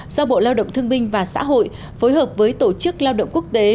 do bộ lao động thương binh và xã hội phối hợp với tổ chức lao động quốc tế